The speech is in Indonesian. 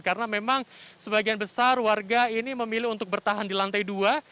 karena memang sebagian besar warga ini memilih untuk bertahan di lantai dua